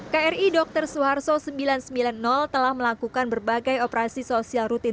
kri dr suharto sembilan ratus sembilan puluh telah melakukan berbagai operasi sosial rutin